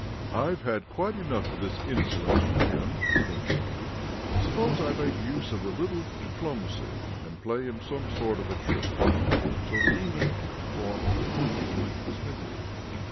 "I've had quite enough of this insolence from him!" thinks he. "Suppose I make use of a little diplomacy, and play him some sort of a trick!" So the Demon took the form of a youth, and went to the smithy.